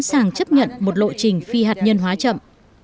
sẵn sàng chấp nhận một lộ trình phi hạt nhân hóa chậm